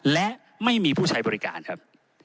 และไม่มีผู้ใช้บริการครับ